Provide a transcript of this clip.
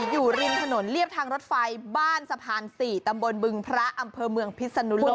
อยู่ริมถนนเรียบทางรถไฟบ้านสะพาน๔ตำบลบึงพระอำเภอเมืองพิศนุโลก